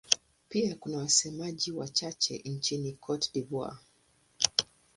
Pia kuna wasemaji wachache nchini Cote d'Ivoire.